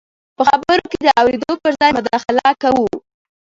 په خبرو کې د اورېدو پر ځای مداخله کوو.